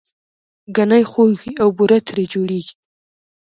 ګنی خوږ وي او بوره ترې جوړیږي